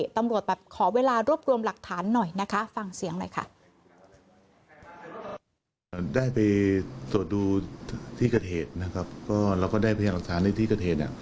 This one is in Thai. ตำรวจแบบขอเวลารวบรวมหลักฐานหน่อยนะคะฟังเสียงหน่อยค่ะ